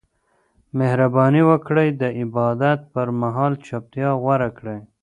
مهرباني وکړئ د عبادت پر مهال چوپتیا غوره کړئ.